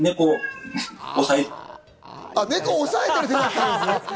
猫を押さえてます。